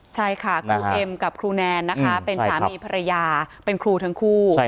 ใช่ค่ะครูเอ็มกับครูแนนนะคะเป็นสามีภรรยาเป็นครูทั้งคู่